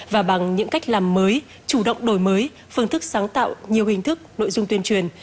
và bằng những cách làm mới chủ động đổi mới phương thức sáng tạo nhiều hình thức nội dung tuyên truyền